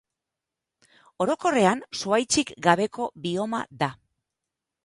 Orokorrean, zuhaitzik gabeko bioma da.